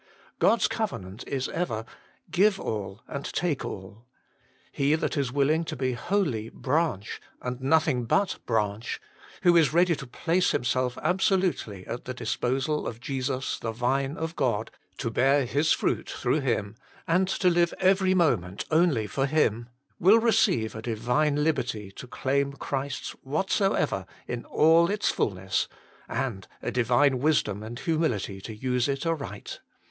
God s covenant THE LIFE THAT CAN PRAY 59 is ever : Give all and take all. He that is willing to be wholly branch, and nothing but branch, who is ready to place himself absolutely at the disposal of Jesus the Vine of God, to bear His fruit through him, and to live every moment only for Him, will receive a Divine liberty to claim Christ s whatsoever in all its fulness, and a Divine wisdom and humility to use it aright.